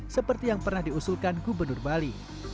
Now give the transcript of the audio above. seperti yang pernah diusulkan gubernur bali